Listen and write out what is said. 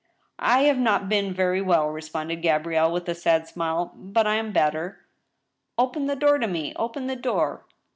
" I have not been very well," responded Gabrielle, with a sad smile, .. "but I am better." " Open the door to me. Open the door